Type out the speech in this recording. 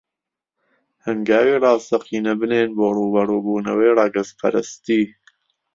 هەنگاوی ڕاستەقینە بنێن بۆ ڕووبەڕووبوونەوەی ڕەگەزپەرستی